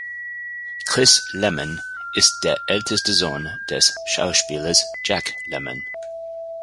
Chris Lemmon ist der älteste Sohn des Schauspielers Jack Lemmon.